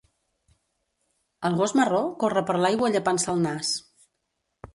El gos marró corre per l'aigua llepant-se el nas.